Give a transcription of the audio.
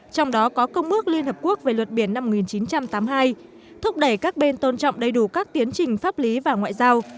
trong đó có công ước liên hợp quốc về luật biển năm một nghìn chín trăm tám mươi hai thúc đẩy các bên tôn trọng đầy đủ các tiến trình pháp lý và ngoại giao